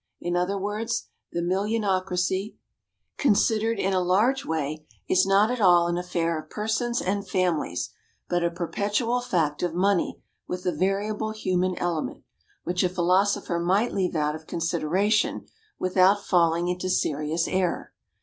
In other words, the millionocracy, considered in a large way, is not at all an affair of persons and families, but a perpetual fact of money with a variable human element, which a philosopher might leave out of consideration without falling into serious error.